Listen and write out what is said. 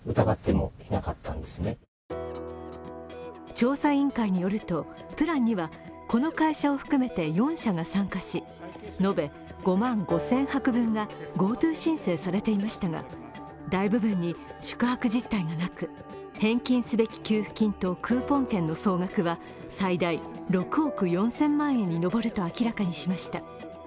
調査委員会によるとプランにはこの会社を含めて４社が参加し延べ５万５０００泊分がＧｏＴｏ申請されていましたが、大部分に宿泊実態がなく、返金すべき給付金とクーポン券の総額は最大６億４０００万円に上ると明らかにしました。